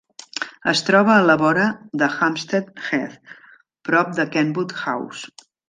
Es troba a la vora de Hampstead Heath, prop de Kenwood House.